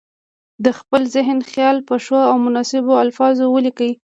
د خپل ذهن خیال په ښو او مناسبو الفاظو ولیکي.